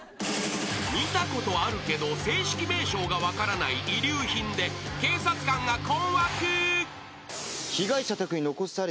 ［見たことあるけど正式名称が分からない遺留品で警察官が困惑］